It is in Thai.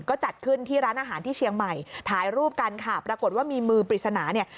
ก็จัดขึ้นที่ร้านอาหารที่เชียงใหม่ถ่ายรูปกันค่ะปรากฏว่ามีมือปริศนาเนี่ย